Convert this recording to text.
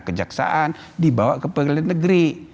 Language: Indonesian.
kejaksaan dibawa ke pengadilan negeri